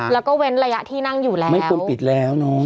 แล้วก็เว้นระยะที่นั่งอยู่แล้วไม่ควรปิดแล้วเนอะ